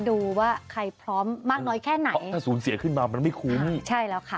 ดูว่าใครพร้อมมากน้อยแค่ไหนถ้าสูญเสียขึ้นมามันไม่คุ้มใช่แล้วค่ะ